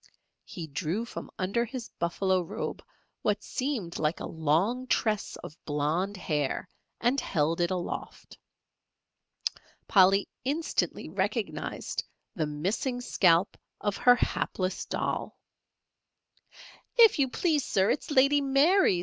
He drew from under his buffalo robe what seemed like a long tress of blond hair, and held it aloft. Polly instantly recognized the missing scalp of her hapless doll. "If you please, Sir, it's Lady Mary's.